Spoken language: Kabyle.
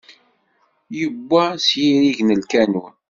Yewwa s yirij n lkanun!